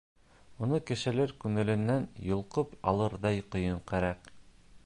Уны кешеләр күңеленән йолҡоп алырҙай ҡойон кәрәк.